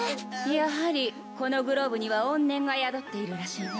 やはりこのグローブには怨念が宿っているらしいな。